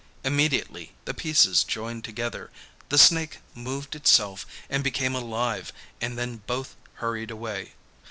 Immediately the pieces joined together, the snake moved itself and became alive and then both hurried away.